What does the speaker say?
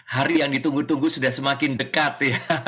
hari yang ditunggu tunggu sudah semakin dekat ya